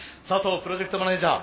プロジェクトマネージャー